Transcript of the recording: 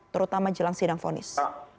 terutama jelang sidang fonis